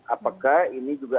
apakah ini juga